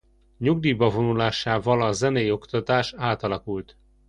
Nyugdíjba vonulásával a zenei oktatás átalakult.